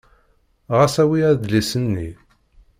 Ɣas awi adlis-nni.